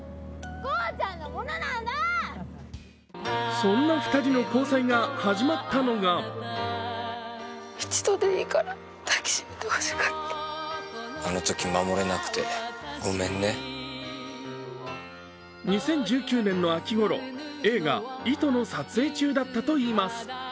そんな２人の交際が始まったのが２０１９年の秋ごろ映画「糸」の撮影中だったといいます。